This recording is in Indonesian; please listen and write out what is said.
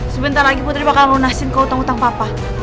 sebentar lagi putri bakal lunasin kau utang utang papa